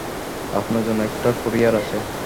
আপনার জন্য একটা কুরিয়ার আছে।